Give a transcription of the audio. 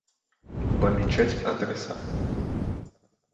Помечать адреса